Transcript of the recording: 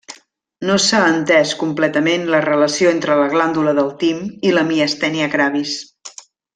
No s'ha entès completament la relació entre la glàndula del tim i la miastènia gravis.